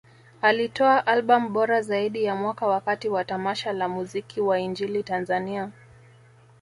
Alitoa Albam bora zaidi ya Mwaka wakati wa tamasha la Muziki wa Injili Tanzania